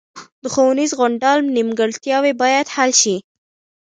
د ښوونیز غونډال نیمګړتیاوې باید حل شي